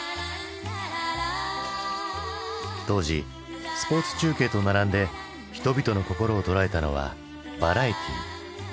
当時スポーツ中継と並んで人々の心を捉えたのはバラエティー。